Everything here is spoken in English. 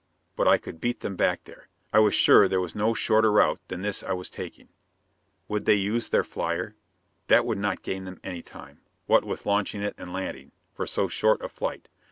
But I could beat them back there; I was sure there was no shorter route than this I was taking. Would they use their flyer? That would not gain them any time, what with launching it and landing, for so short a flight.